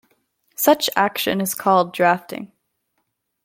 Such action is called drafting.